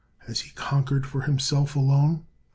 Has he conquered for himself alone?